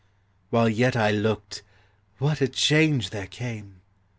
While yet I looked, what a change there came